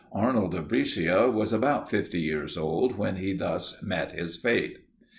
Arnold of Brescia was about fifty years old, when he thus met his fate.